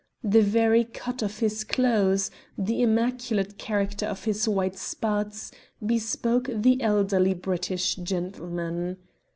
The very cut of his clothes, the immaculate character of his white spats, bespoke the elderly British gentleman.